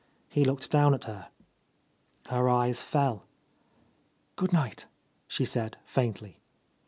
He looked down at her. Her eyes fell. "Good night," she said faintly.